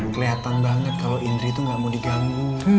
keliatan banget kalo indri tuh gak mau diganggu